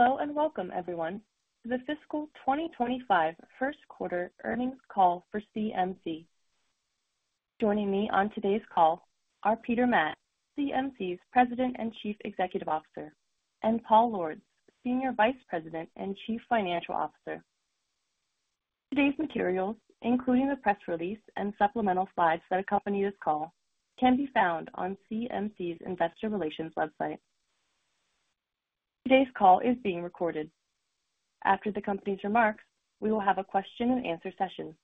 Hello and welcome, everyone, to the Fiscal 2025 First Quarter Earnings Call for CMC. Joining me on today's call are Peter Matt, CMC's President and Chief Executive Officer, and Paul Lawrence, Senior Vice President and Chief Financial Officer. Today's materials, including the press release and supplemental slides that accompany this call, can be found on CMC's Investor Relations website. Today's call is being recorded. After the company's remarks, we will have a question-and-answer session,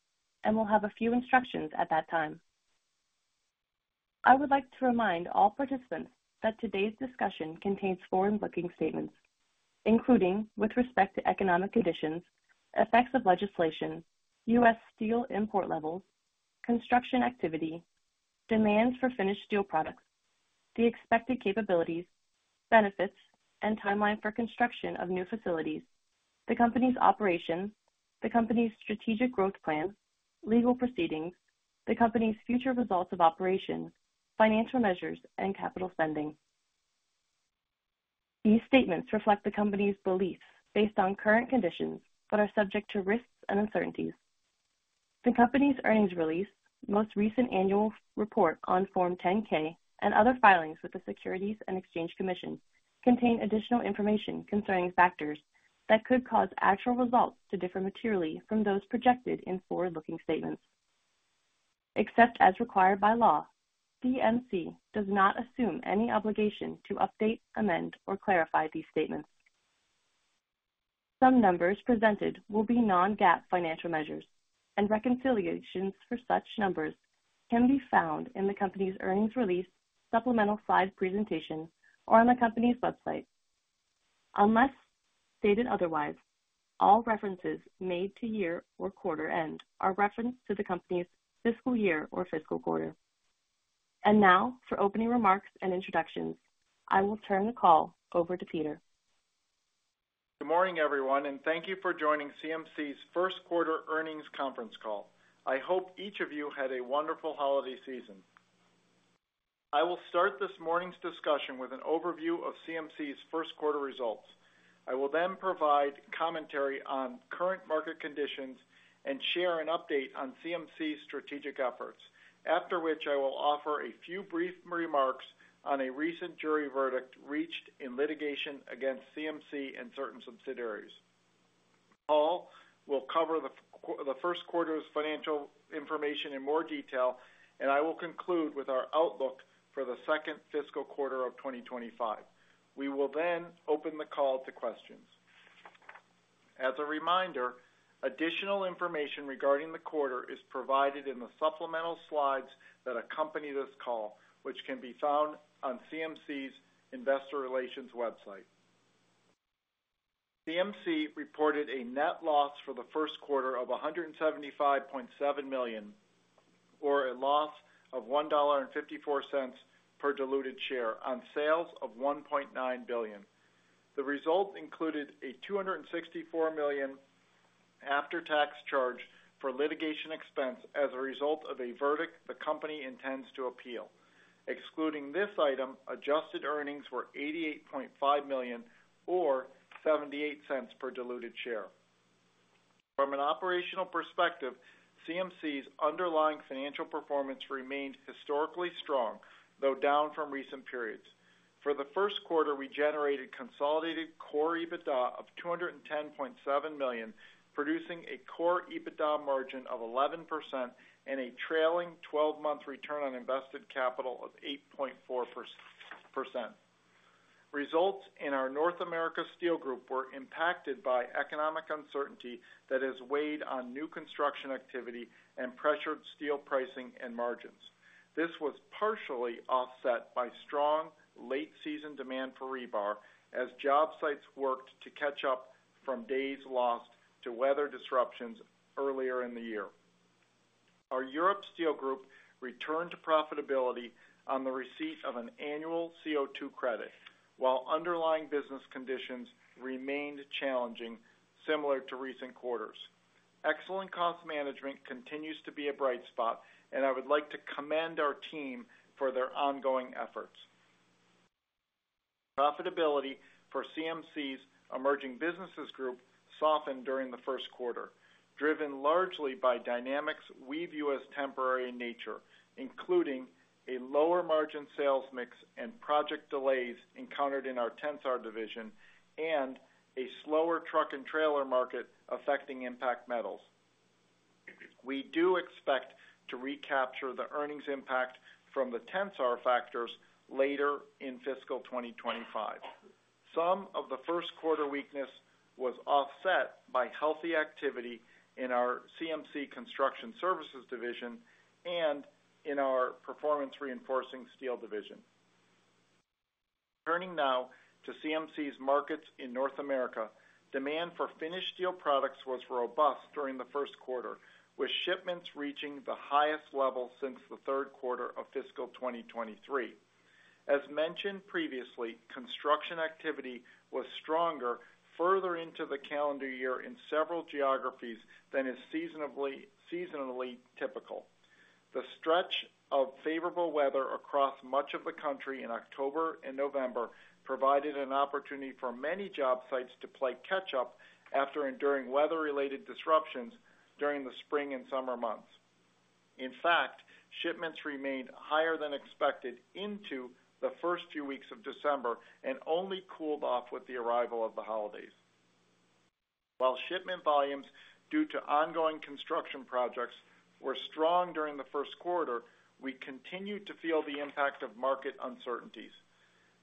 and we'll have a few instructions at that time. I would like to remind all participants that today's discussion contains forward-looking statements, including with respect to economic conditions, effects of legislation, U.S. steel import levels, construction activity, demands for finished steel products, the expected capabilities, benefits, and timeline for construction of new facilities, the company's operations, the company's strategic growth plan, legal proceedings, the company's future results of operations, financial measures, and capital spending. These statements reflect the company's beliefs based on current conditions but are subject to risks and uncertainties. The company's earnings release, most recent annual report on Form 10-K, and other filings with the Securities and Exchange Commission contain additional information concerning factors that could cause actual results to differ materially from those projected in forward-looking statements. Except as required by law, CMC does not assume any obligation to update, amend, or clarify these statements. Some numbers presented will be non-GAAP financial measures, and reconciliations for such numbers can be found in the company's earnings release, supplemental slide presentation, or on the company's website. Unless stated otherwise, all references made to year or quarter end are referenced to the company's fiscal year or fiscal quarter. Now, for opening remarks and introductions, I will turn the call over to Peter. Good morning, everyone, and thank you for joining CMC's First Quarter Earnings Conference Call. I hope each of you had a wonderful holiday season. I will start this morning's discussion with an overview of CMC's first quarter results. I will then provide commentary on current market conditions and share an update on CMC's strategic efforts, after which I will offer a few brief remarks on a recent jury verdict reached in litigation against CMC and certain subsidiaries. Paul will cover the first quarter's financial information in more detail, and I will conclude with our outlook for the second fiscal quarter of 2025. We will then open the call to questions. As a reminder, additional information regarding the quarter is provided in the supplemental slides that accompany this call, which can be found on CMC's Investor Relations website. CMC reported a net loss for the first quarter of $175.7 million, or a loss of $1.54 per diluted share, on sales of $1.9 billion. The result included a $264 million after-tax charge for litigation expense as a result of a verdict the company intends to appeal. Excluding this item, adjusted earnings were $88.5 million, or $0.78 per diluted share. From an operational perspective, CMC's underlying financial performance remained historically strong, though down from recent periods. For the first quarter, we generated consolidated Core EBITDA of $210.7 million, producing a Core EBITDA margin of 11% and a trailing 12-month return on invested capital of 8.4%. Results in our North America Steel Group were impacted by economic uncertainty that has weighed on new construction activity and pressured steel pricing and margins. This was partially offset by strong late-season demand for rebar as job sites worked to catch up from days lost to weather disruptions earlier in the year. Our Europe Steel Group returned to profitability on the receipt of an annual CO2 credit, while underlying business conditions remained challenging, similar to recent quarters. Excellent cost management continues to be a bright spot, and I would like to commend our team for their ongoing efforts. Profitability for CMC's Emerging Businesses Group softened during the first quarter, driven largely by dynamics within the U.S. of a temporary nature, including a lower margin sales mix and project delays encountered in our Tensar division, and a slower truck and trailer market affecting Impact Metals. We do expect to recapture the earnings impact from the Tensar factors later in fiscal 2025. Some of the first quarter weakness was offset by healthy activity in our CMC Construction Services division and in our Performance Reinforcing Steel division. Turning now to CMC's markets in North America, demand for finished steel products was robust during the first quarter, with shipments reaching the highest level since the third quarter of fiscal 2023. As mentioned previously, construction activity was stronger further into the calendar year in several geographies than is seasonally typical. The stretch of favorable weather across much of the country in October and November provided an opportunity for many job sites to play catch-up after enduring weather-related disruptions during the spring and summer months. In fact, shipments remained higher than expected into the first few weeks of December and only cooled off with the arrival of the holidays. While shipment volumes due to ongoing construction projects were strong during the first quarter, we continued to feel the impact of market uncertainties.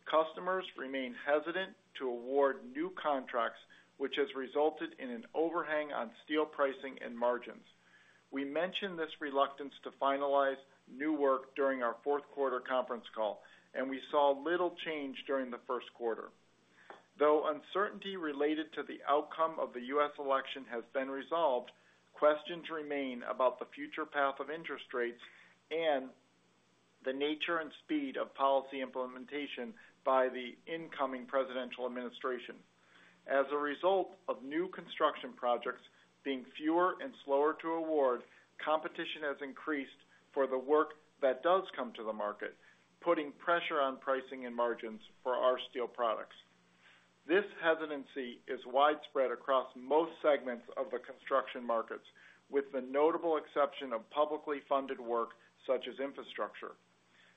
Customers remained hesitant to award new contracts, which has resulted in an overhang on steel pricing and margins. We mentioned this reluctance to finalize new work during our fourth quarter conference call, and we saw little change during the first quarter. Though uncertainty related to the outcome of the U.S. election has been resolved, questions remain about the future path of interest rates and the nature and speed of policy implementation by the incoming presidential administration. As a result of new construction projects being fewer and slower to award, competition has increased for the work that does come to the market, putting pressure on pricing and margins for our steel products. This hesitancy is widespread across most segments of the construction markets, with the notable exception of publicly funded work such as infrastructure.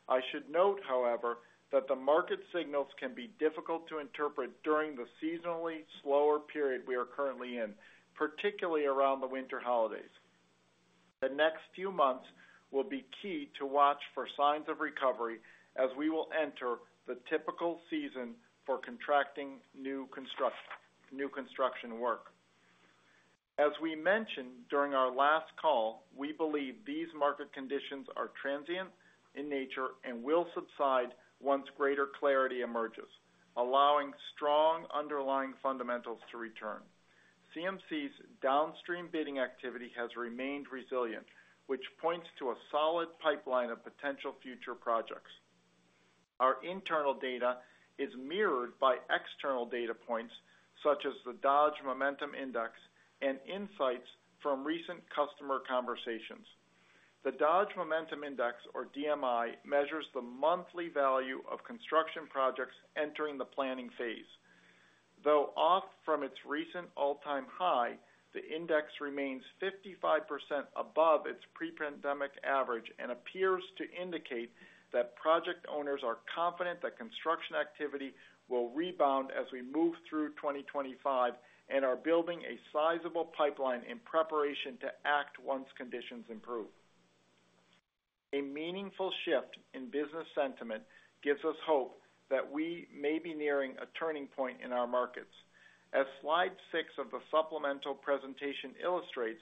I should note, however, that the market signals can be difficult to interpret during the seasonally slower period we are currently in, particularly around the winter holidays. The next few months will be key to watch for signs of recovery as we will enter the typical season for contracting new construction work. As we mentioned during our last call, we believe these market conditions are transient in nature and will subside once greater clarity emerges, allowing strong underlying fundamentals to return. CMC's downstream bidding activity has remained resilient, which points to a solid pipeline of potential future projects. Our internal data is mirrored by external data points such as the Dodge Momentum Index and insights from recent customer conversations. The Dodge Momentum Index, or DMI, measures the monthly value of construction projects entering the planning phase. Though off from its recent all-time high, the index remains 55% above its pre-pandemic average and appears to indicate that project owners are confident that construction activity will rebound as we move through 2025 and are building a sizable pipeline in preparation to act once conditions improve. A meaningful shift in business sentiment gives us hope that we may be nearing a turning point in our markets. As slide six of the supplemental presentation illustrates,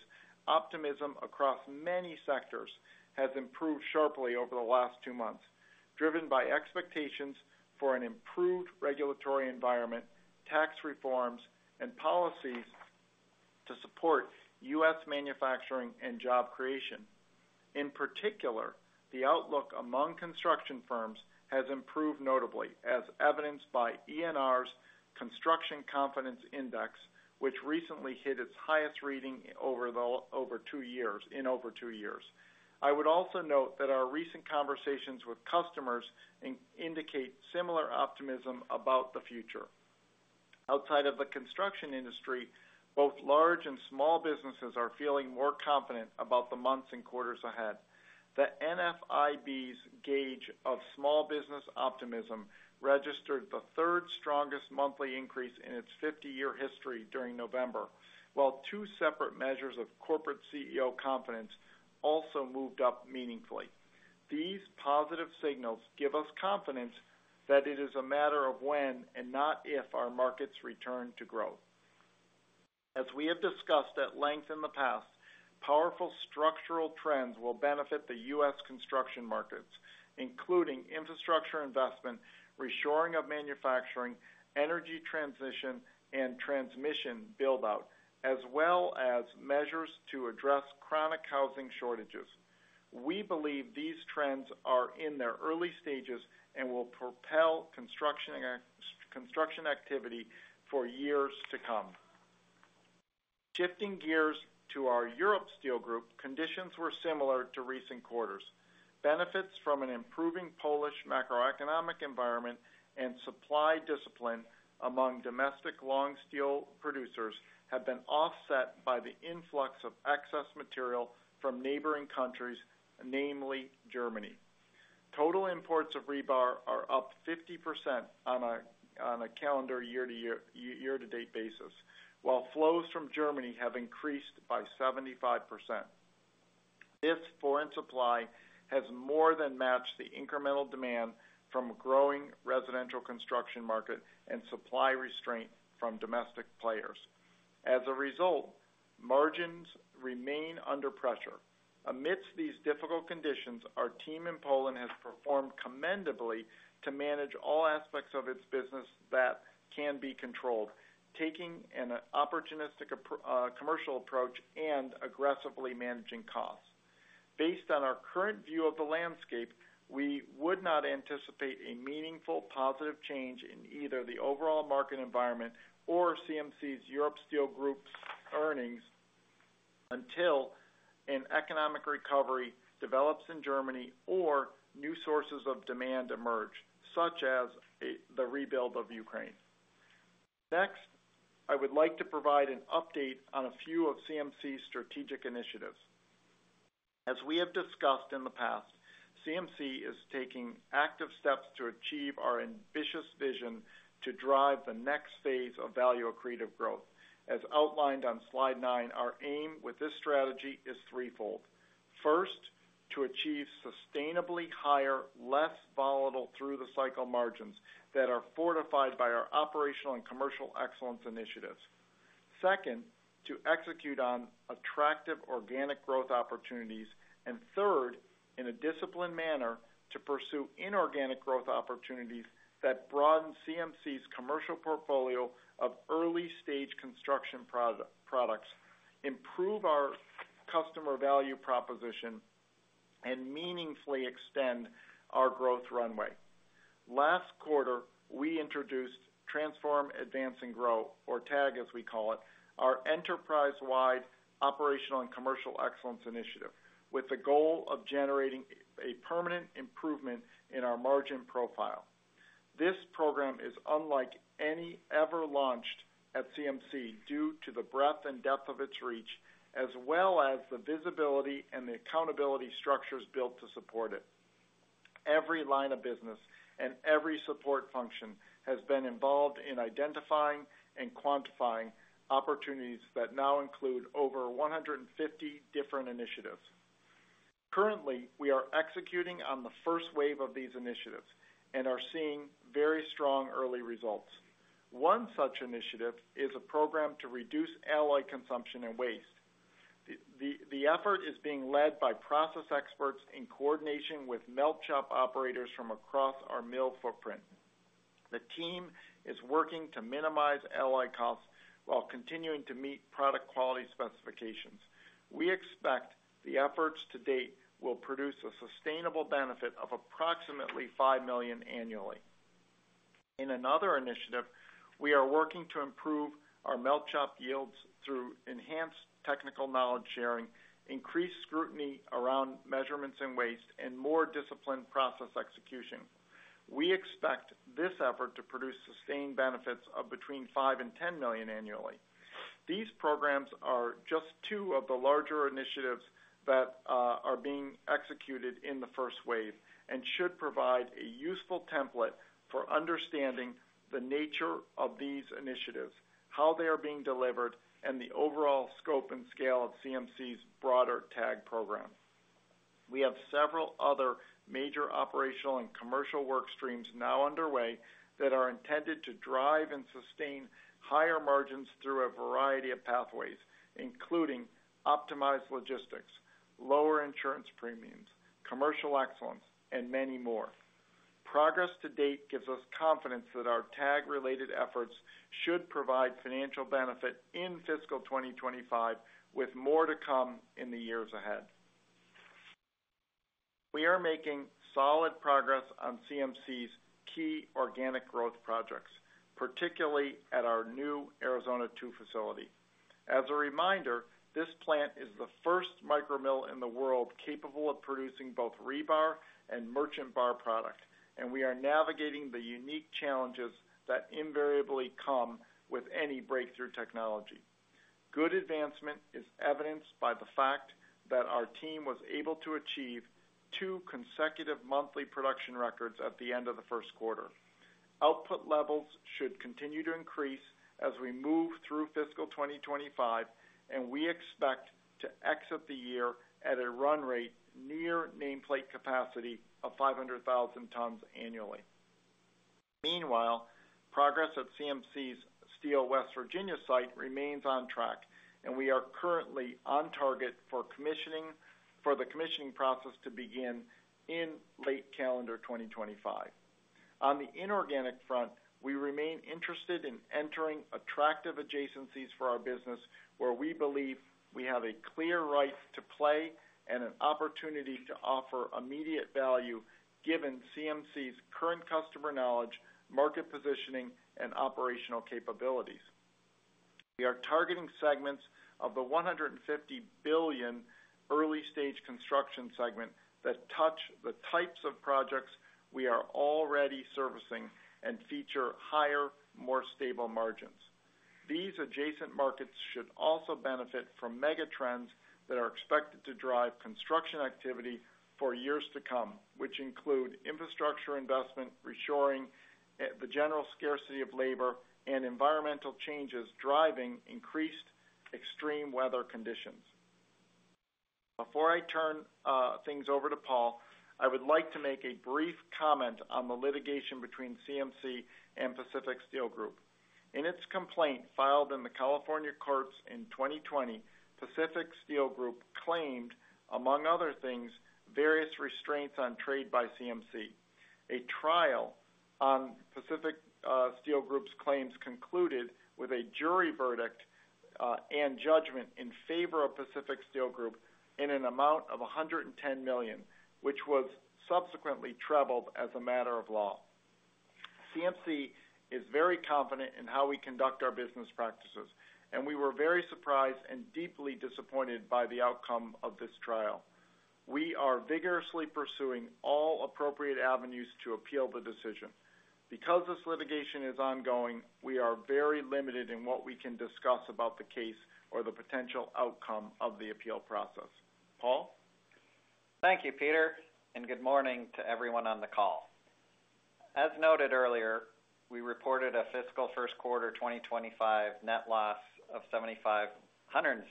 optimism across many sectors has improved sharply over the last two months, driven by expectations for an improved regulatory environment, tax reforms, and policies to support U.S. manufacturing and job creation. In particular, the outlook among construction firms has improved notably, as evidenced by ENR's Construction Confidence Index, which recently hit its highest reading in over two years. I would also note that our recent conversations with customers indicate similar optimism about the future. Outside of the construction industry, both large and small businesses are feeling more confident about the months and quarters ahead. The NFIB's gauge of small business optimism registered the third strongest monthly increase in its 50-year history during November, while two separate measures of corporate CEO confidence also moved up meaningfully. These positive signals give us confidence that it is a matter of when and not if our markets return to growth. As we have discussed at length in the past, powerful structural trends will benefit the U.S. construction markets, including infrastructure investment, reshoring of manufacturing, energy transition, and transmission build-out, as well as measures to address chronic housing shortages. We believe these trends are in their early stages and will propel construction activity for years to come. Shifting gears to our Europe Steel Group, conditions were similar to recent quarters. Benefits from an improving Polish macroeconomic environment and supply discipline among domestic long steel producers have been offset by the influx of excess material from neighboring countries, namely Germany. Total imports of rebar are up 50% on a calendar year-to-date basis, while flows from Germany have increased by 75%. This foreign supply has more than matched the incremental demand from a growing residential construction market and supply restraint from domestic players. As a result, margins remain under pressure. Amidst these difficult conditions, our team in Poland has performed commendably to manage all aspects of its business that can be controlled, taking an opportunistic commercial approach and aggressively managing costs. Based on our current view of the landscape, we would not anticipate a meaningful positive change in either the overall market environment or CMC's Europe Steel Group's earnings until an economic recovery develops in Germany or new sources of demand emerge, such as the rebuild of Ukraine. Next, I would like to provide an update on a few of CMC's strategic initiatives. As we have discussed in the past, CMC is taking active steps to achieve our ambitious vision to drive the next phase of value-accretive growth. As outlined on slide nine, our aim with this strategy is threefold. First, to achieve sustainably higher, less volatile through-the-cycle margins that are fortified by our operational and commercial excellence initiatives. Second, to execute on attractive organic growth opportunities. And third, in a disciplined manner, to pursue inorganic growth opportunities that broaden CMC's commercial portfolio of early-stage construction products, improve our customer value proposition, and meaningfully extend our growth runway. Last quarter, we introduced Transform, Advance, and Grow, or TAG, as we call it, our enterprise-wide operational and commercial excellence initiative, with the goal of generating a permanent improvement in our margin profile. This program is unlike any ever launched at CMC due to the breadth and depth of its reach, as well as the visibility and the accountability structures built to support it. Every line of business and every support function has been involved in identifying and quantifying opportunities that now include over 150 different initiatives. Currently, we are executing on the first wave of these initiatives and are seeing very strong early results. One such initiative is a program to reduce alloy consumption and waste. The effort is being led by process experts in coordination with melt shop operators from across our mill footprint. The team is working to minimize alloy costs while continuing to meet product quality specifications. We expect the efforts to date will produce a sustainable benefit of approximately $5 million annually. In another initiative, we are working to improve our melt shop yields through enhanced technical knowledge sharing, increased scrutiny around measurements and waste, and more disciplined process execution. We expect this effort to produce sustained benefits of between $5 million and $10 million annually. These programs are just two of the larger initiatives that are being executed in the first wave and should provide a useful template for understanding the nature of these initiatives, how they are being delivered, and the overall scope and scale of CMC's broader TAG program. We have several other major operational and commercial work streams now underway that are intended to drive and sustain higher margins through a variety of pathways, including optimized logistics, lower insurance premiums, commercial excellence, and many more. Progress to date gives us confidence that our TAG-related efforts should provide financial benefit in fiscal 2025, with more to come in the years ahead. We are making solid progress on CMC's key organic growth projects, particularly at our new Arizona 2 facility. As a reminder, this plant is the first micro-mill in the world capable of producing both rebar and merchant bar product, and we are navigating the unique challenges that invariably come with any breakthrough technology. Good advancement is evidenced by the fact that our team was able to achieve two consecutive monthly production records at the end of the first quarter. Output levels should continue to increase as we move through fiscal 2025, and we expect to exit the year at a run rate near nameplate capacity of 500,000 tons annually. Meanwhile, progress at CMC's Steel West Virginia site remains on track, and we are currently on target for the commissioning process to begin in late calendar 2025. On the inorganic front, we remain interested in entering attractive adjacencies for our business, where we believe we have a clear right to play and an opportunity to offer immediate value given CMC's current customer knowledge, market positioning, and operational capabilities. We are targeting segments of the $150 billion early-stage construction segment that touch the types of projects we are already servicing and feature higher, more stable margins. These adjacent markets should also benefit from mega trends that are expected to drive construction activity for years to come, which include infrastructure investment, reshoring, the general scarcity of labor, and environmental changes driving increased extreme weather conditions. Before I turn things over to Paul, I would like to make a brief comment on the litigation between CMC and Pacific Steel Group. In its complaint filed in the California courts in 2020, Pacific Steel Group claimed, among other things, various restraints on trade by CMC. A trial on Pacific Steel Group's claims concluded with a jury verdict and judgment in favor of Pacific Steel Group in an amount of $110 million, which was subsequently overturned as a matter of law. CMC is very confident in how we conduct our business practices, and we were very surprised and deeply disappointed by the outcome of this trial. We are vigorously pursuing all appropriate avenues to appeal the decision. Because this litigation is ongoing, we are very limited in what we can discuss about the case or the potential outcome of the appeal process. Paul? Thank you, Peter, and good morning to everyone on the call. As noted earlier, we reported a fiscal first quarter 2025 net loss of $175.7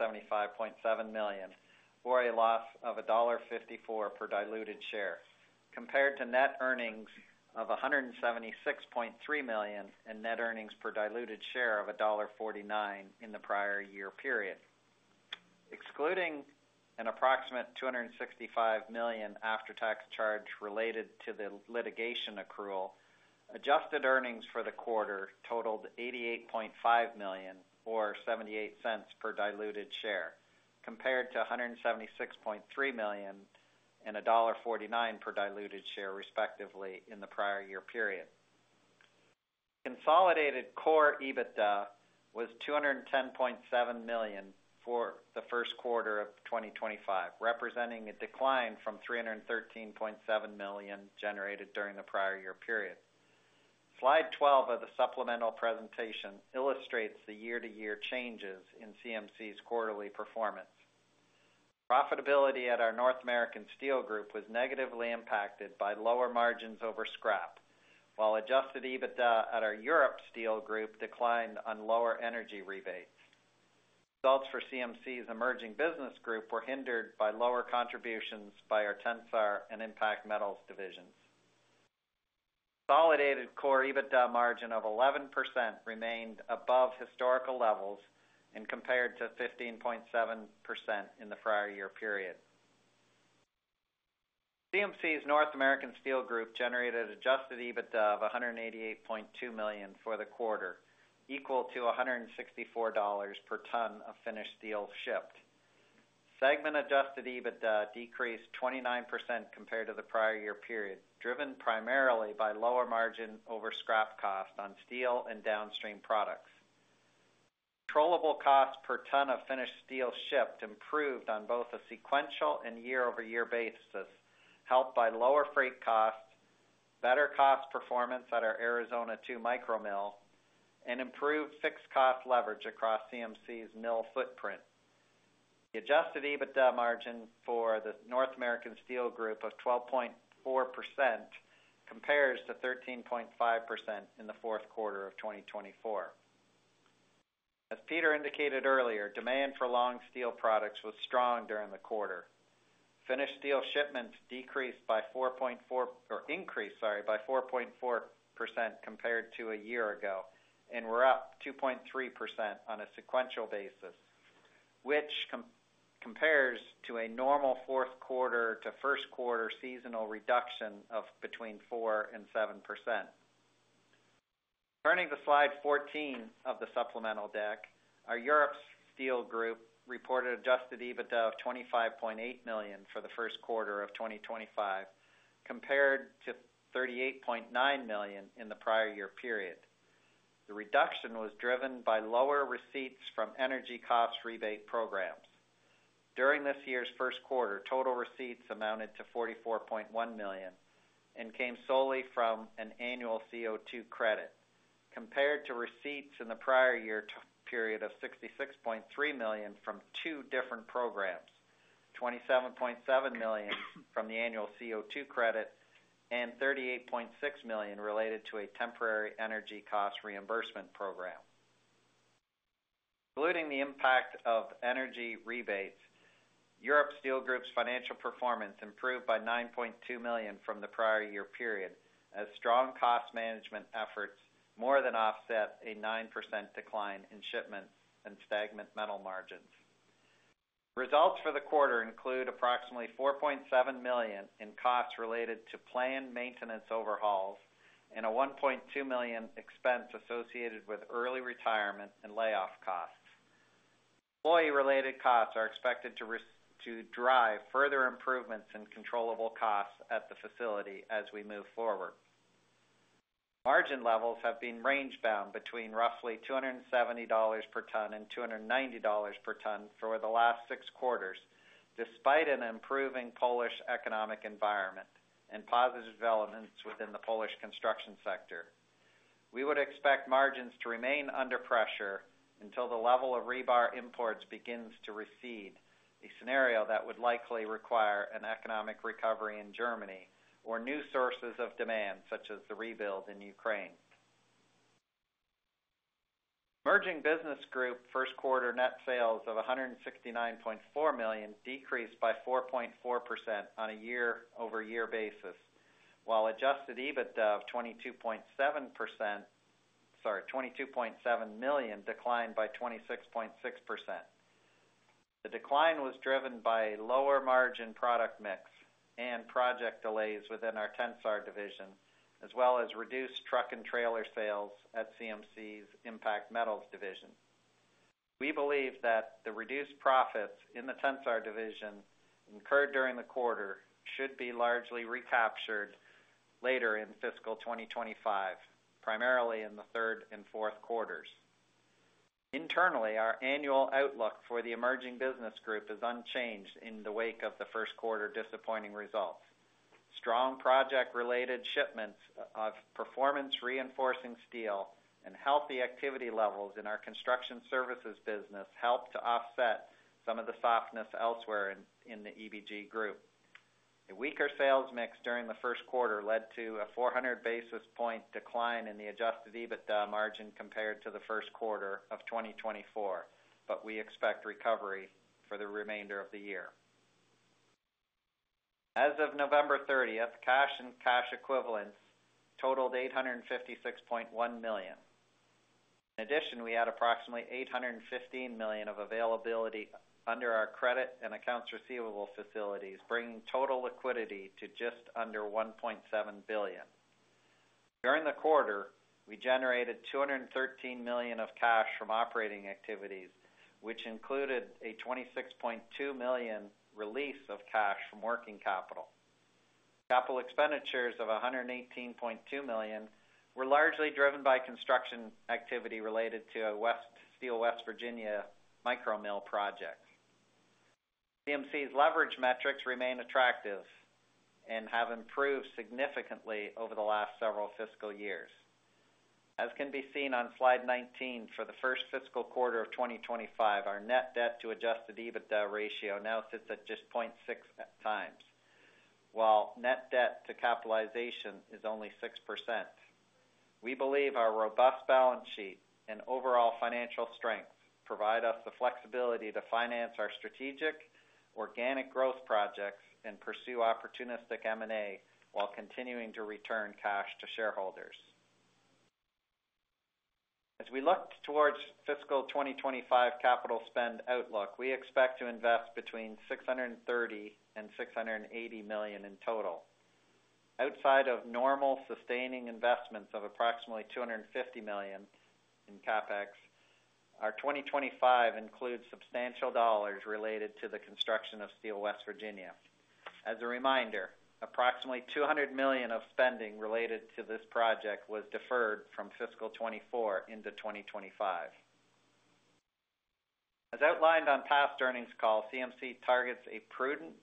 million or a loss of $1.54 per diluted share, compared to net earnings of $176.3 million and net earnings per diluted share of $1.49 in the prior-year period. Excluding an approximate $265 million after-tax charge related to the litigation accrual, adjusted earnings for the quarter totaled $88.5 million or $0.78 per diluted share, compared to $176.3 million and $1.49 per diluted share, respectively, in the prior-year period. Consolidated Core EBITDA was $210.7 million for the first quarter of 2025, representing a decline from $313.7 million generated during the prior-year period. Slide 12 of the supplemental presentation illustrates the year-to-year changes in CMC's quarterly performance. Profitability at our North American Steel Group was negatively impacted by lower margins over scrap, while Adjusted EBITDA at our Europe Steel Group declined on lower energy rebates. Results for CMC's Emerging Business Group were hindered by lower contributions by our Tensar and Impact Metals divisions. Consolidated Core EBITDA margin of 11% remained above historical levels and compared to 15.7% in the prior-year period. CMC's North American Steel Group generated Adjusted EBITDA of $188.2 million for the quarter, equal to $164 per ton of finished steel shipped. Segment Adjusted EBITDA decreased 29% compared to the prior-year period, driven primarily by lower margin over scrap cost on steel and downstream products. Controllable cost per ton of finished steel shipped improved on both a sequential and year-over-year basis, helped by lower freight costs, better cost performance at our Arizona 2 micro-mill, and improved fixed cost leverage across CMC's mill footprint. The Adjusted EBITDA margin for the North American Steel Group of 12.4% compares to 13.5% in the fourth quarter of 2024. As Peter indicated earlier, demand for long steel products was strong during the quarter. Finished steel shipments increased by 4.4% compared to a year ago and were up 2.3% on a sequential basis, which compares to a normal fourth quarter to first quarter seasonal reduction of between 4% and 7%. Turning to slide 14 of the supplemental deck, our Europe Steel Group reported Adjusted EBITDA of $25.8 million for the first quarter of 2025, compared to $38.9 million in the prior-year period. The reduction was driven by lower receipts from energy cost rebate programs. During this year's first quarter, total receipts amounted to $44.1 million and came solely from an annual CO2 credit, compared to receipts in the prior-year period of $66.3 million from two different programs, $27.7 million from the annual CO2 credit and $38.6 million related to a temporary energy cost reimbursement program. Excluding the impact of energy rebates, Europe Steel Group's financial performance improved by $9.2 million from the prior-year period, as strong cost management efforts more than offset a 9% decline in shipments and stagnant metal margins. Results for the quarter include approximately $4.7 million in costs related to planned maintenance overhauls and a $1.2 million expense associated with early retirement and layoff costs. Employee-related costs are expected to drive further improvements in controllable costs at the facility as we move forward. Margin levels have been rangebound between roughly $270 per ton and $290 per ton for the last six quarters, despite an improving Polish economic environment and positive developments within the Polish construction sector. We would expect margins to remain under pressure until the level of rebar imports begins to recede, a scenario that would likely require an economic recovery in Germany or new sources of demand, such as the rebuild in Ukraine. Emerging Business Group first quarter net sales of $169.4 million decreased by 4.4% on a year-over-year basis, while Adjusted EBITDA of $22.7 million declined by 26.6%. The decline was driven by a lower margin product mix and project delays within our Tensar division, as well as reduced truck and trailer sales at CMC's Impact Metals division. We believe that the reduced profits in the Tensar division incurred during the quarter should be largely recaptured later in fiscal 2025, primarily in the third and fourth quarters. Internally, our annual outlook for the Emerging Business Group is unchanged in the wake of the first quarter disappointing results. Strong project-related shipments of performance-reinforcing steel and healthy activity levels in our construction services business helped to offset some of the softness elsewhere in the EBG group. A weaker sales mix during the first quarter led to a 400 basis point decline in the Adjusted EBITDA margin compared to the first quarter of 2024, but we expect recovery for the remainder of the year. As of November 30th, cash and cash equivalents totaled $856.1 million. In addition, we had approximately $815 million of availability under our credit and accounts receivable facilities, bringing total liquidity to just under $1.7 billion. During the quarter, we generated $213 million of cash from operating activities, which included a $26.2 million release of cash from working capital. Capital expenditures of $118.2 million were largely driven by construction activity related to a Steel West Virginia micro-mill project. CMC's leverage metrics remain attractive and have improved significantly over the last several fiscal years. As can be seen on slide 19, for the first fiscal quarter of 2025, our net debt to Adjusted EBITDA ratio now sits at just 0.6 times, while net debt to capitalization is only 6%. We believe our robust balance sheet and overall financial strength provide us the flexibility to finance our strategic organic growth projects and pursue opportunistic M&A while continuing to return cash to shareholders. As we look towards fiscal 2025 capital spend outlook, we expect to invest between $630 million and $680 million in total. Outside of normal sustaining investments of approximately $250 million in CapEx, our 2025 includes substantial dollars related to the construction of Steel West Virginia. As a reminder, approximately $200 million of spending related to this project was deferred from fiscal 2024 into 2025. As outlined on past earnings call, CMC targets a prudent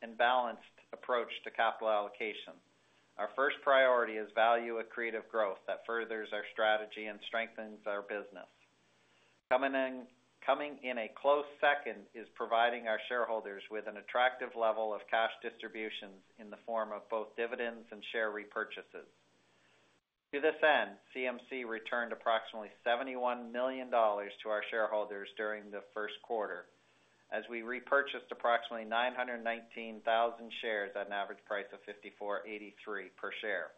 and balanced approach to capital allocation. Our first priority is value-accretive growth that furthers our strategy and strengthens our business. Coming in a close second is providing our shareholders with an attractive level of cash distributions in the form of both dividends and share repurchases. To this end, CMC returned approximately $71 million to our shareholders during the first quarter, as we repurchased approximately 919,000 shares at an average price of $54.83 per share.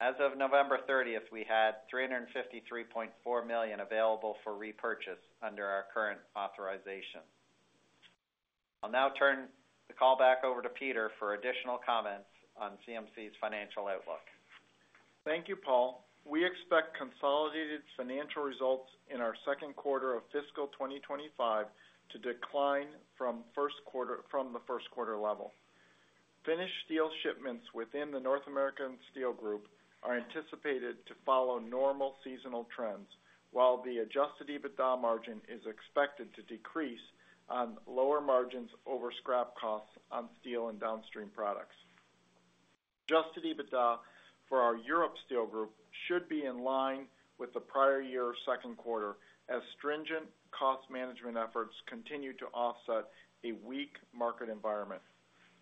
As of November 30th, we had $353.4 million available for repurchase under our current authorization. I'll now turn the call back over to Peter for additional comments on CMC's financial outlook. Thank you, Paul. We expect consolidated financial results in our second quarter of fiscal 2025 to decline from the first quarter level. Finished steel shipments within the North American Steel Group are anticipated to follow normal seasonal trends, while the Adjusted EBITDA margin is expected to decrease on lower margins over scrap costs on steel and downstream products. Adjusted EBITDA for our Europe Steel Group should be in line with the prior-year second quarter, as stringent cost management efforts continue to offset a weak market environment.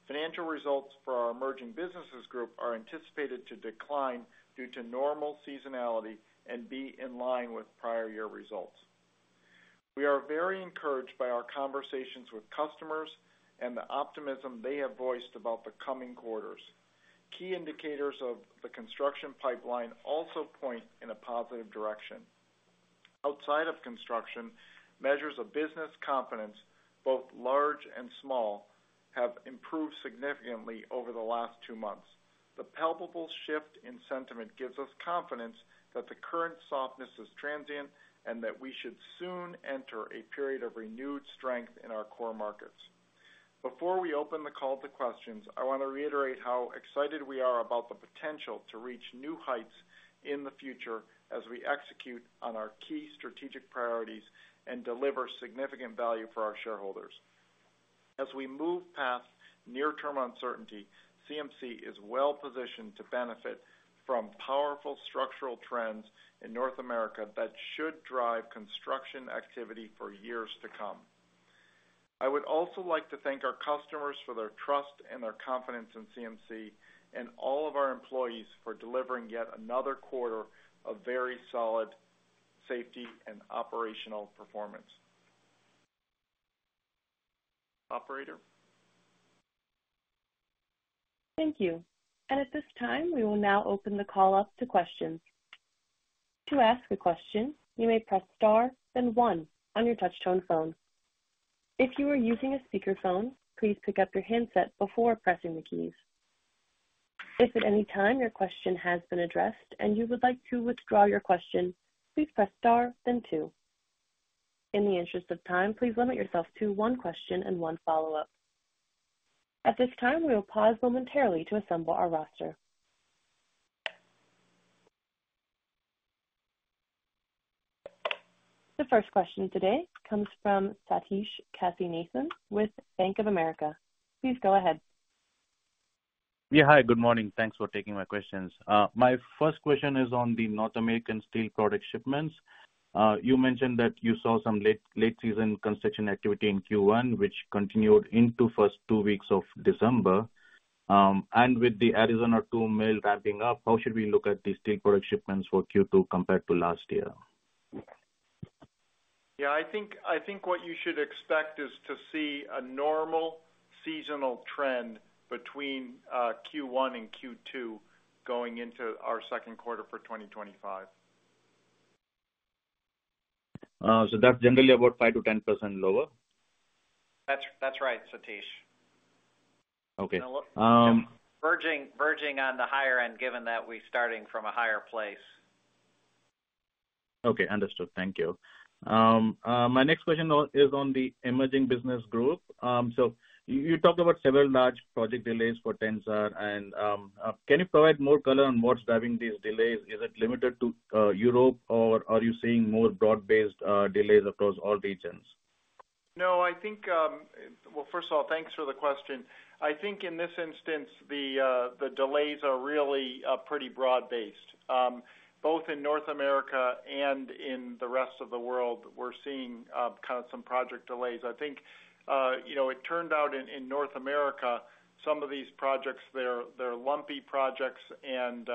Financial results for our Emerging Businesses Group are anticipated to decline due to normal seasonality and be in line with prior year results. We are very encouraged by our conversations with customers and the optimism they have voiced about the coming quarters. Key indicators of the construction pipeline also point in a positive direction. Outside of construction, measures of business confidence, both large and small, have improved significantly over the last two months. The palpable shift in sentiment gives us confidence that the current softness is transient and that we should soon enter a period of renewed strength in our core markets. Before we open the call to questions, I want to reiterate how excited we are about the potential to reach new heights in the future as we execute on our key strategic priorities and deliver significant value for our shareholders. As we move past near-term uncertainty, CMC is well positioned to benefit from powerful structural trends in North America that should drive construction activity for years to come. I would also like to thank our customers for their trust and their confidence in CMC and all of our employees for delivering yet another quarter of very solid safety and operational performance. Operator. Thank you. And at this time, we will now open the call up to questions. To ask a question, you may press star, then one on your touch-tone phone. If you are using a speakerphone, please pick up your handset before pressing the keys. If at any time your question has been addressed and you would like to withdraw your question, please press star, then two. In the interest of time, please limit yourself to one question and one follow-up. At this time, we will pause momentarily to assemble our roster. The first question today comes from Sathish Kasinathan with Bank of America. Please go ahead. Yeah, hi. Good morning. Thanks for taking my questions. My first question is on the North American steel product shipments. You mentioned that you saw some late-season construction activity in Q1, which continued into the first two weeks of December. And with the Arizona 2 mill ramping up, how should we look at the steel product shipments for Q2 compared to last year? Yeah, I think what you should expect is to see a normal seasonal trend between Q1 and Q2 going into our second quarter for 2025. So that's generally about 5%-10% lower? That's right, Satish. Okay. We're verging on the higher end, given that we're starting from a higher place. Okay, understood. Thank you. My next question is on the Emerging Business Group. So you talked about several large project delays for Tensar, and can you provide more color on what's driving these delays? Is it limited to Europe, or are you seeing more broad-based delays across all regions? No, I think, well, first of all, thanks for the question. I think in this instance, the delays are really pretty broad-based. Both in North America and in the rest of the world, we're seeing kind of some project delays. I think it turned out in North America, some of these projects, they're lumpy projects, and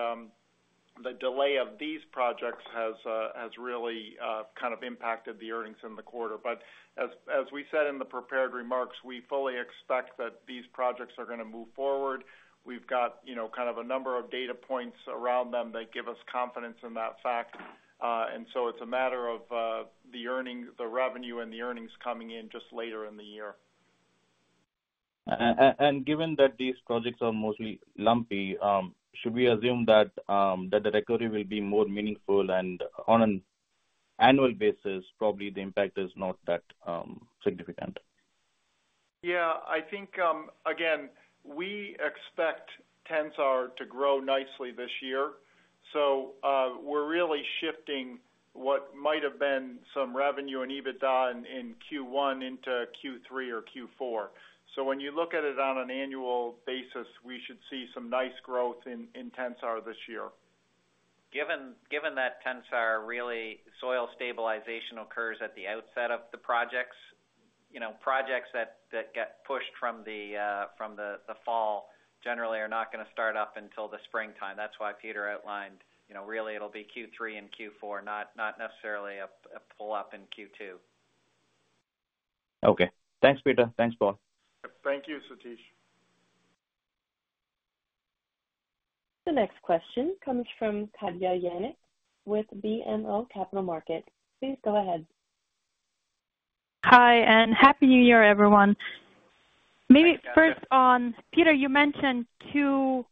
the delay of these projects has really kind of impacted the earnings in the quarter. But as we said in the prepared remarks, we fully expect that these projects are going to move forward. We've got kind of a number of data points around them that give us confidence in that fact. And so it's a matter of the revenue and the earnings coming in just later in the year. Given that these projects are mostly lumpy, should we assume that the recovery will be more meaningful, and on an annual basis, probably the impact is not that significant? Yeah, I think, again, we expect Tensar to grow nicely this year. So we're really shifting what might have been some revenue and EBITDA in Q1 into Q3 or Q4. So when you look at it on an annual basis, we should see some nice growth in Tensar this year. Given that Tensar's soil stabilization occurs at the outset of the projects, projects that get pushed from the fall generally are not going to start up until the springtime. That's why Peter outlined, really, it'll be Q3 and Q4, not necessarily a pull-up in Q2. Okay. Thanks, Peter. Thanks, Paul. Thank you, Satish. The next question comes from Katja Jancic with BMO Capital Markets. Please go ahead. Hi, and happy New Year, everyone. Maybe first on Peter, you mentioned two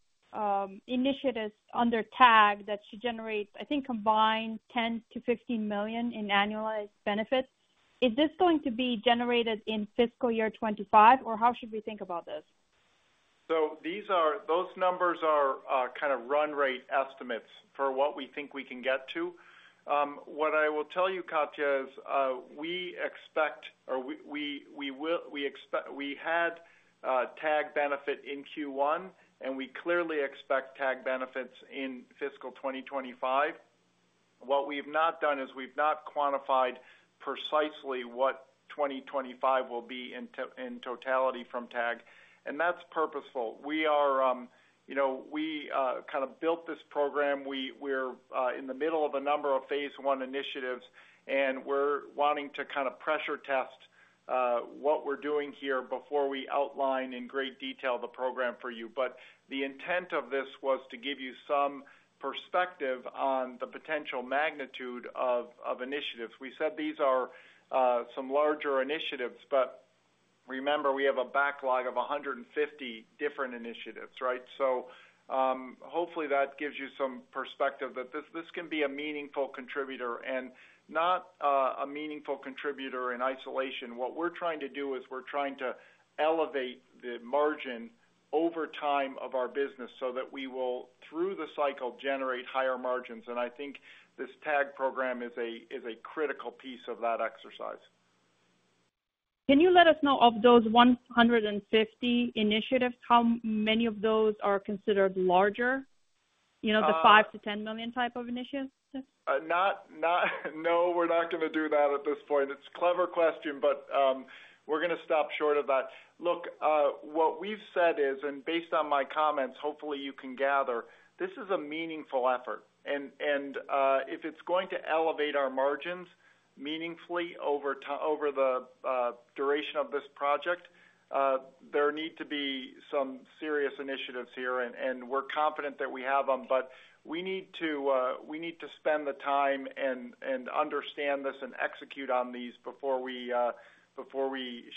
initiatives under TAG that should generate, I think, combined $10 million-$15 million in annualized benefits. Is this going to be generated in fiscal year 2025, or how should we think about this? Those numbers are kind of run rate estimates for what we think we can get to. What I will tell you, Katja, is we expect, or we had TAG benefit in Q1, and we clearly expect TAG benefits in fiscal 2025. What we've not done is we've not quantified precisely what 2025 will be in totality from TAG. And that's purposeful. We kind of built this program. We're in the middle of a number of phase I initiatives, and we're wanting to kind of pressure test what we're doing here before we outline in great detail the program for you. But the intent of this was to give you some perspective on the potential magnitude of initiatives. We said these are some larger initiatives, but remember, we have a backlog of 150 different initiatives, right? So hopefully that gives you some perspective that this can be a meaningful contributor and not a meaningful contributor in isolation. What we're trying to do is we're trying to elevate the margin over time of our business so that we will, through the cycle, generate higher margins. And I think this TAG program is a critical piece of that exercise. Can you let us know of those 150 initiatives, how many of those are considered larger, the $5 million-$10 million type of initiatives? No, we're not going to do that at this point. It's a clever question, but we're going to stop short of that. Look, what we've said is, and based on my comments, hopefully you can gather, this is a meaningful effort, and if it's going to elevate our margins meaningfully over the duration of this project, there need to be some serious initiatives here, and we're confident that we have them, but we need to spend the time and understand this and execute on these before we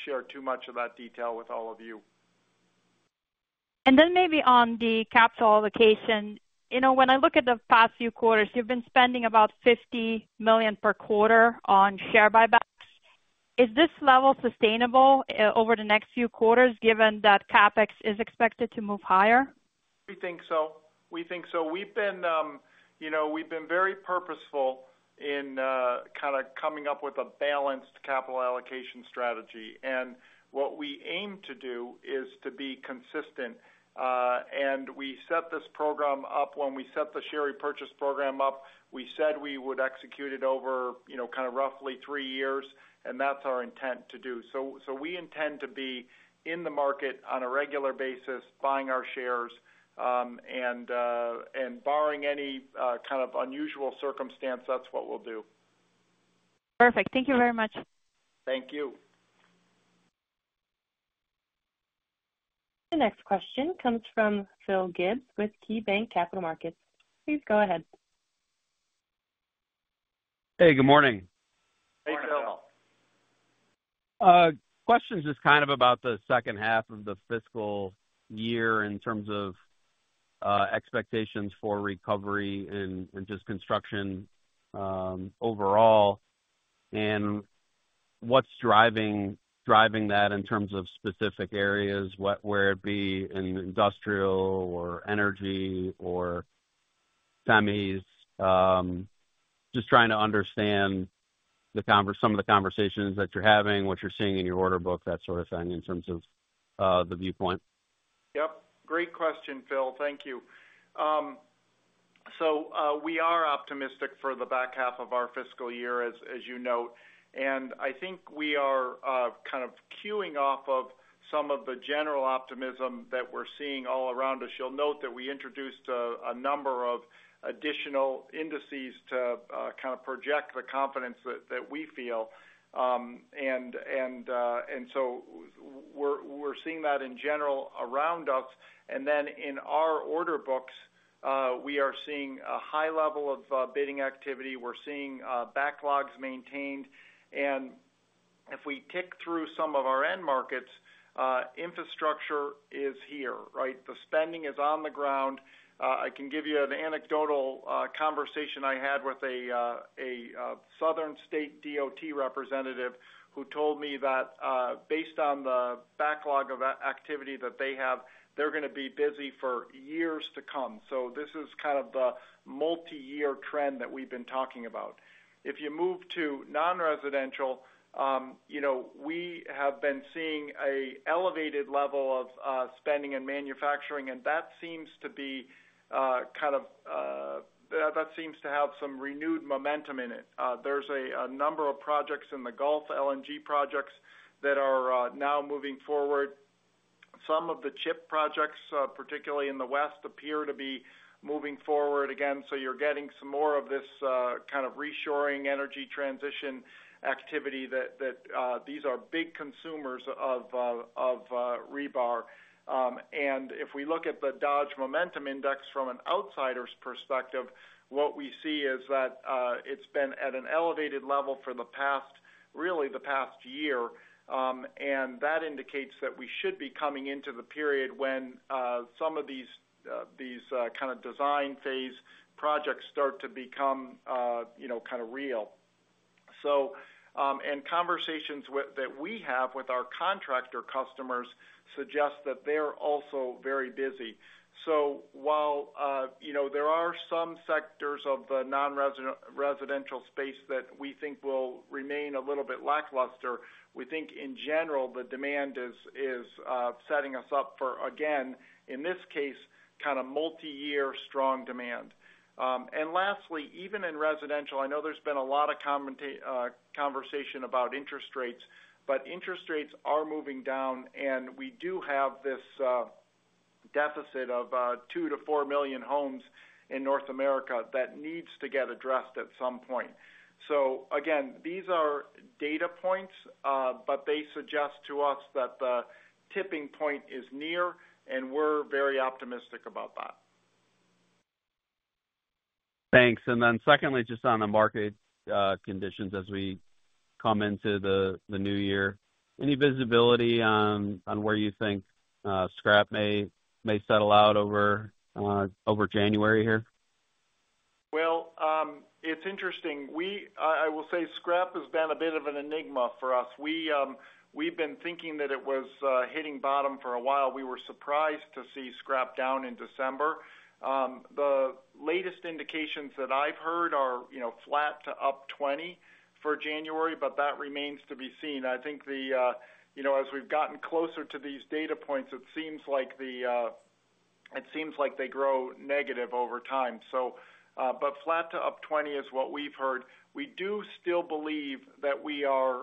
share too much of that detail with all of you. Then maybe on the capital allocation, when I look at the past few quarters, you've been spending about $50 million per quarter on share buybacks. Is this level sustainable over the next few quarters, given that CapEx is expected to move higher? We think so. We think so. We've been very purposeful in kind of coming up with a balanced capital allocation strategy, and what we aim to do is to be consistent, and we set this program up when we set the share repurchase program up. We said we would execute it over kind of roughly three years, and that's our intent to do, so we intend to be in the market on a regular basis, buying our shares, and barring any kind of unusual circumstance, that's what we'll do. Perfect. Thank you very much. Thank you. The next question comes from Phil Gibbs with KeyBanc Capital Markets. Please go ahead. Hey, good morning. Hey, Phil. Question is kind of about the second half of the fiscal year in terms of expectations for recovery and just construction overall, and what's driving that in terms of specific areas, whether it be in industrial or energy or semis? Just trying to understand some of the conversations that you're having, what you're seeing in your order book, that sort of thing in terms of the viewpoint. Yep. Great question, Phil. Thank you. So we are optimistic for the back half of our fiscal year, as you note. And I think we are kind of keying off of some of the general optimism that we're seeing all around us. You'll note that we introduced a number of additional indices to kind of project the confidence that we feel. And so we're seeing that in general around us. And then in our order books, we are seeing a high level of bidding activity. We're seeing backlogs maintained. And if we walk through some of our end markets, infrastructure is here, right? The spending is on the ground. I can give you an anecdotal conversation I had with a southern state DOT representative who told me that based on the backlog of activity that they have, they're going to be busy for years to come. This is kind of the multi-year trend that we've been talking about. If you move to non-residential, we have been seeing an elevated level of spending in manufacturing, and that seems to have some renewed momentum in it. There's a number of projects in the Gulf, LNG projects that are now moving forward. Some of the chip projects, particularly in the West, appear to be moving forward again. You're getting some more of this kind of reshoring energy transition activity that these are big consumers of rebar. If we look at the Dodge Momentum Index from an outsider's perspective, what we see is that it's been at an elevated level for the past, really the past year. And that indicates that we should be coming into the period when some of these kind of design phase projects start to become kind of real. And conversations that we have with our contractor customers suggest that they're also very busy. So while there are some sectors of the non-residential space that we think will remain a little bit lackluster, we think in general the demand is setting us up for, again, in this case, kind of multi-year strong demand. And lastly, even in residential, I know there's been a lot of conversation about interest rates, but interest rates are moving down, and we do have this deficit of two to four million homes in North America that needs to get addressed at some point. So again, these are data points, but they suggest to us that the tipping point is near, and we're very optimistic about that. Thanks. And then secondly, just on the market conditions as we come into the new year, any visibility on where you think scrap may settle out over January here? It's interesting. I will say scrap has been a bit of an enigma for us. We've been thinking that it was hitting bottom for a while. We were surprised to see scrap down in December. The latest indications that I've heard are flat to up $20 for January, but that remains to be seen. I think as we've gotten closer to these data points, it seems like they grow negative over time. But flat to up $20 is what we've heard. We do still believe that we are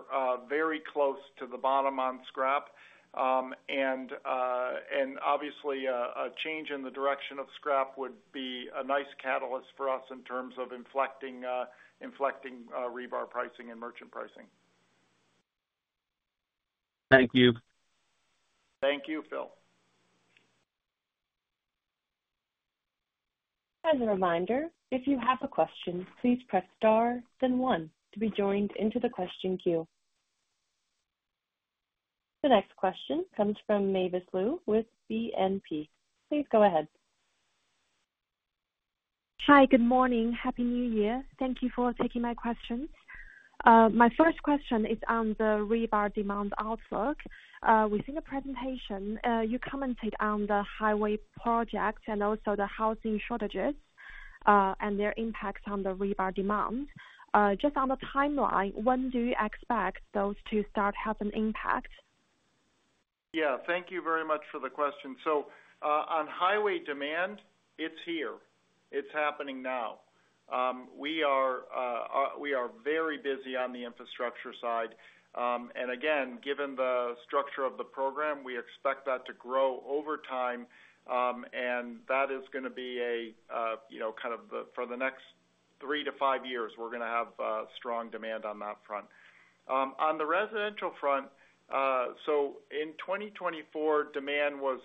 very close to the bottom on scrap. And obviously, a change in the direction of scrap would be a nice catalyst for us in terms of inflecting rebar pricing and merchant pricing. Thank you. Thank you, Phil. As a reminder, if you have a question, please press star, then one to be joined into the question queue. The next question comes from Mavis Liu with BNP. Please go ahead. Hi, good morning. Happy New Year. Thank you for taking my questions. My first question is on the rebar demand outlook. Within the presentation, you commented on the highway projects and also the housing shortages and their impacts on the rebar demand. Just on the timeline, when do you expect those to start having impact? Yeah. Thank you very much for the question. So on highway demand, it's here. It's happening now. We are very busy on the infrastructure side. And again, given the structure of the program, we expect that to grow over time. And that is going to be kind of for the next three to five years, we're going to have strong demand on that front. On the residential front, so in 2024, demand was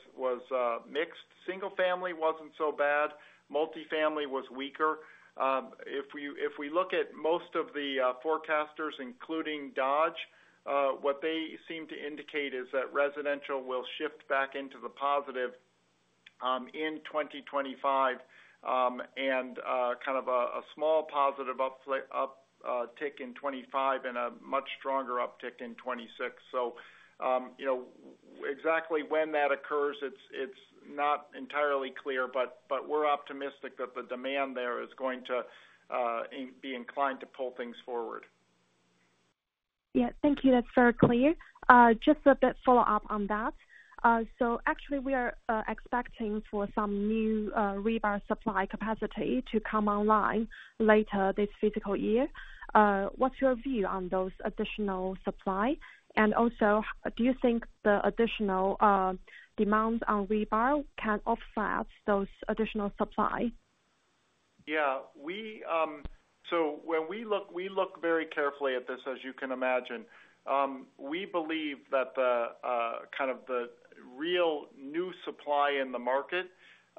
mixed. Single-family wasn't so bad. Multi-family was weaker. If we look at most of the forecasters, including Dodge, what they seem to indicate is that residential will shift back into the positive in 2025 and kind of a small positive uptick in 2025 and a much stronger uptick in 2026. So exactly when that occurs, it's not entirely clear, but we're optimistic that the demand there is going to be inclined to pull things forward. Yeah. Thank you. That's very clear. Just a bit follow-up on that. So actually, we are expecting for some new rebar supply capacity to come online later this fiscal year. What's your view on those additional supply? And also, do you think the additional demand on rebar can offset those additional supply? Yeah. So when we look very carefully at this, as you can imagine, we believe that kind of the real new supply in the market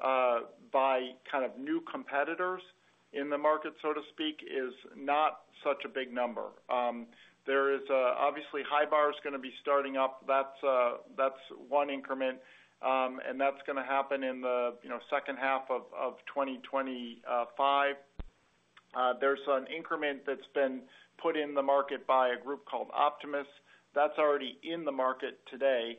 by kind of new competitors in the market, so to speak, is not such a big number. There is obviously Hybar is going to be starting up. That's one increment, and that's going to happen in the second half of 2025. There's an increment that's been put in the market by a group called Optimus. That's already in the market today.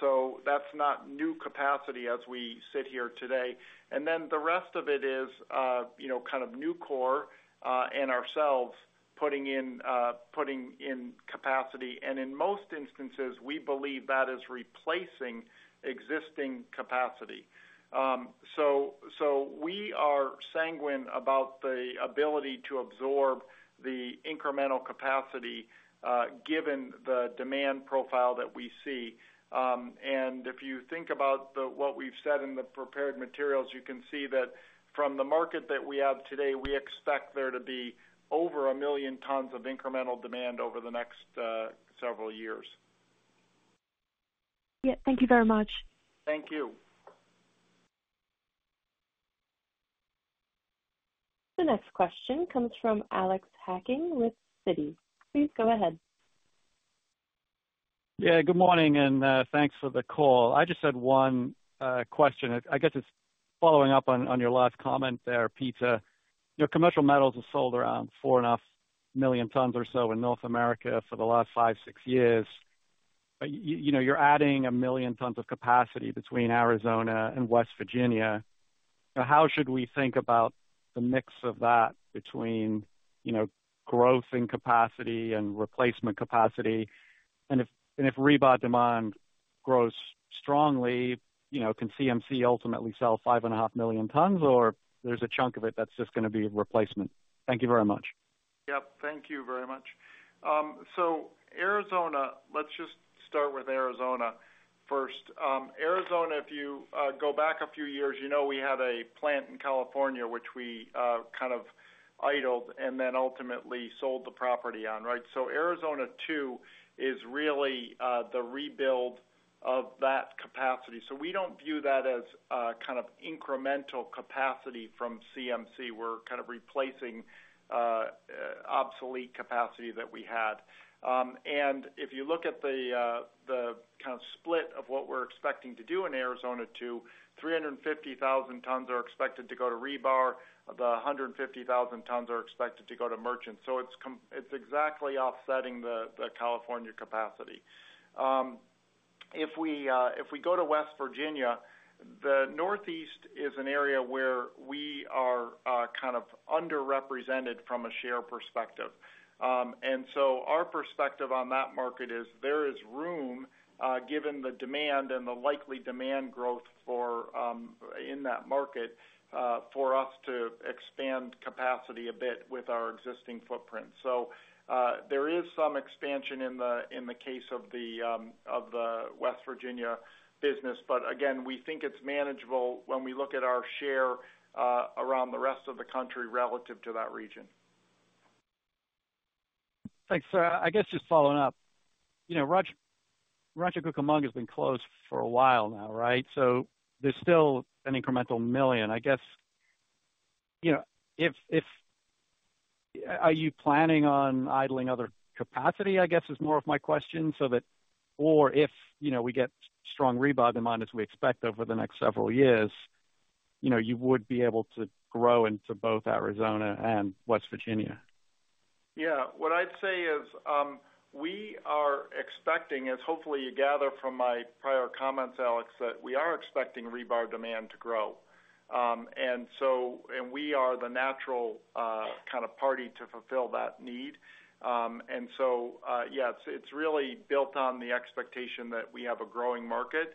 So that's not new capacity as we sit here today. And then the rest of it is kind of Nucor and ourselves putting in capacity. And in most instances, we believe that is replacing existing capacity. So we are sanguine about the ability to absorb the incremental capacity given the demand profile that we see. If you think about what we've said in the prepared materials, you can see that from the market that we have today, we expect there to be over 1 million tons of incremental demand over the next several years. Yeah. Thank you very much. Thank you. The next question comes from Alex Hacking with Citi. Please go ahead. Yeah. Good morning and thanks for the call. I just had one question. I guess it's following up on your last comment there, Peter. Commercial Metals have sold around 4.5 million tons or so in North America for the last five, six years. You're adding 1 million tons of capacity between Arizona and West Virginia. How should we think about the mix of that between growth in capacity and replacement capacity? And if rebar demand grows strongly, can CMC ultimately sell 5.5 million tons, or there's a chunk of it that's just going to be replacement? Thank you very much. Yep. Thank you very much. Arizona, let's just start with Arizona first. Arizona, if you go back a few years, you know we had a plant in California which we kind of idled and then ultimately sold the property on, right? Arizona 2 is really the rebuild of that capacity. We don't view that as kind of incremental capacity from CMC. We're kind of replacing obsolete capacity that we had. If you look at the kind of split of what we're expecting to do in Arizona 2, 350,000 tons are expected to go to rebar. The 150,000 tons are expected to go to merchant. It's exactly offsetting the California capacity. If we go to West Virginia, the Northeast is an area where we are kind of underrepresented from a share perspective. And so our perspective on that market is there is room given the demand and the likely demand growth in that market for us to expand capacity a bit with our existing footprint. So there is some expansion in the case of the West Virginia business. But again, we think it's manageable when we look at our share around the rest of the country relative to that region. Thanks, Phil. I guess just following up, Rancho Cucamonga has been closed for a while now, right? So there's still an incremental million. I guess, are you planning on idling other capacity? I guess is more of my question. Or if we get strong rebar demand as we expect over the next several years, you would be able to grow into both Arizona and West Virginia. Yeah. What I'd say is we are expecting, as hopefully you gather from my prior comments, Alex, that we are expecting rebar demand to grow. And we are the natural kind of party to fulfill that need. And so, yeah, it's really built on the expectation that we have a growing market.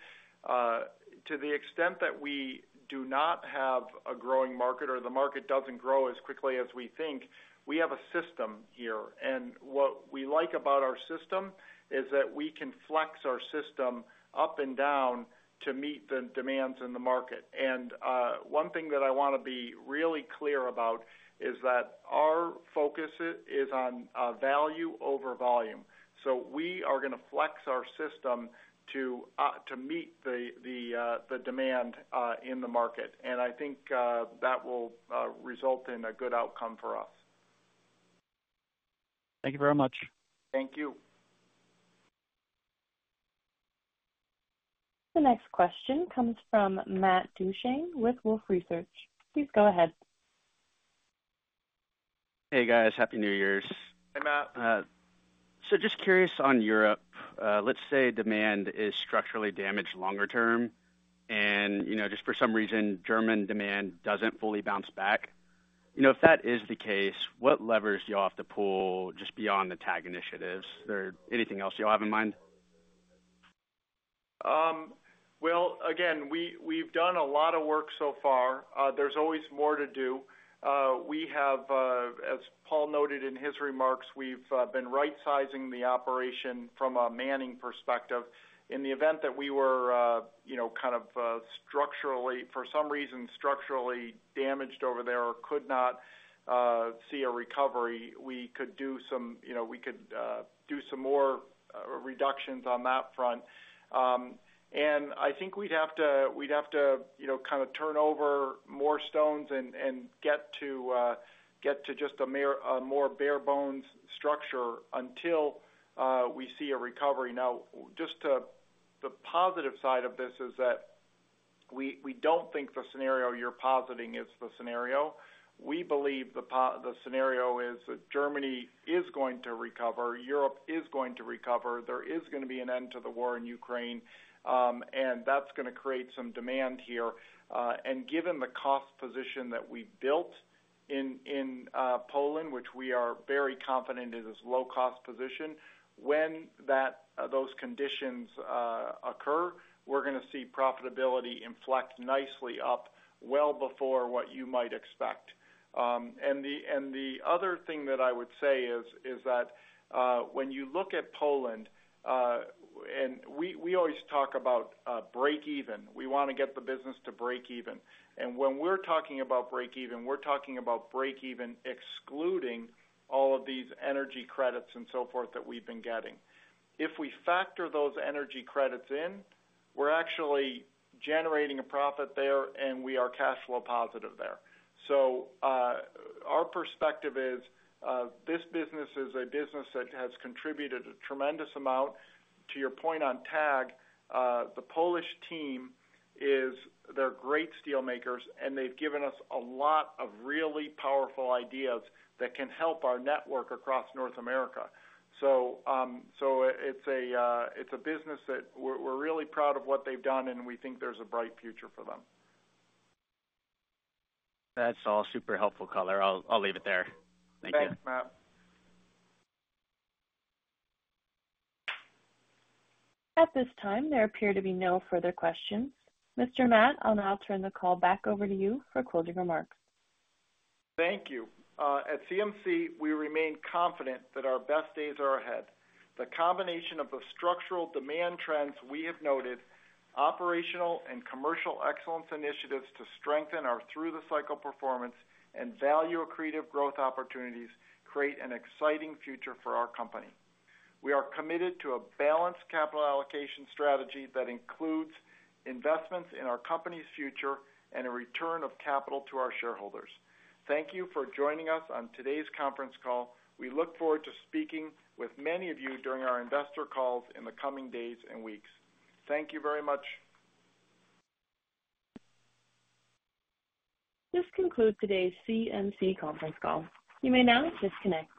To the extent that we do not have a growing market or the market doesn't grow as quickly as we think, we have a system here. And what we like about our system is that we can flex our system up and down to meet the demands in the market. And one thing that I want to be really clear about is that our focus is on value over volume. So we are going to flex our system to meet the demand in the market. And I think that will result in a good outcome for us. Thank you very much. Thank you. The next question comes from Matt Dushkin with Wolfe Research. Please go ahead. Hey, guys. Happy New Year's. Hey, Matt. So just curious on Europe. Let's say demand is structurally damaged longer term, and just for some reason, German demand doesn't fully bounce back. If that is the case, what levers do y'all have to pull just beyond the TAG initiatives? Or anything else y'all have in mind? Well, again, we've done a lot of work so far. There's always more to do. As Paul noted in his remarks, we've been right-sizing the operation from a manning perspective. In the event that we were kind of structurally, for some reason, structurally damaged over there or could not see a recovery, we could do some more reductions on that front. And I think we'd have to kind of turn over more stones and get to just a more bare-bones structure until we see a recovery. Now, just the positive side of this is that we don't think the scenario you're positing is the scenario. We believe the scenario is that Germany is going to recover. Europe is going to recover. There is going to be an end to the war in Ukraine. And that's going to create some demand here. And given the cost position that we've built in Poland, which we are very confident is a low-cost position, when those conditions occur, we're going to see profitability inflect nicely up well before what you might expect. And the other thing that I would say is that when you look at Poland, and we always talk about break-even. We want to get the business to break-even. And when we're talking about break-even, we're talking about break-even excluding all of these energy credits and so forth that we've been getting. If we factor those energy credits in, we're actually generating a profit there, and we are cash flow positive there. So our perspective is this business is a business that has contributed a tremendous amount. To your point on TAG, the Polish team, they're great steelmakers, and they've given us a lot of really powerful ideas that can help our network across North America. So it's a business that we're really proud of what they've done, and we think there's a bright future for them. That's all super helpful color. I'll leave it there. Thank you. Thanks, Matt. At this time, there appear to be no further questions. Mr. Matt, I'll now turn the call back over to you for closing remarks. Thank you. At CMC, we remain confident that our best days are ahead. The combination of the structural demand trends we have noted, operational and commercial excellence initiatives to strengthen our through-the-cycle performance, and value-accretive growth opportunities create an exciting future for our company. We are committed to a balanced capital allocation strategy that includes investments in our company's future and a return of capital to our shareholders. Thank you for joining us on today's conference call. We look forward to speaking with many of you during our investor calls in the coming days and weeks. Thank you very much. This concludes today's CMC conference call. You may now disconnect.